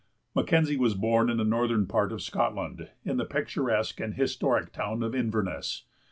Mackenzie was born in the northern part of Scotland, in the picturesque and historic town of Inverness.